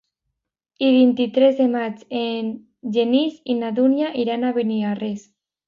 El vint-i-tres de maig en Genís i na Dúnia iran a Beniarrés.